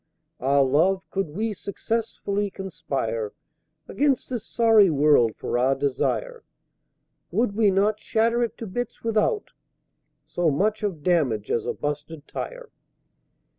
Ah, Love, could we successfully conspire Against this sorry World for our desire, Would we not shatter it to bits without So much of damage as a busted tire?